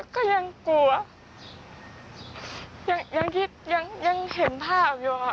ก็ยังกลัวยังเห็นภาพอยู่